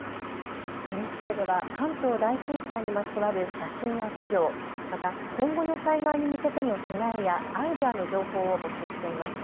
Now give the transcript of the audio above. ＮＨＫでは関東大震災にまつわる写真や資料、また今後の災害に向けての備えやアイデアの情報を募集しています。